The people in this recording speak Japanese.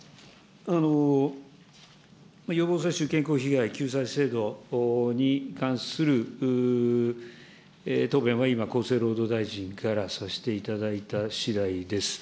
予防接種健康被害救済制度に関する答弁は今、厚生労働大臣からさせていただいたしだいです。